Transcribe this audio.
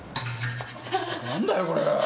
何だよこれ。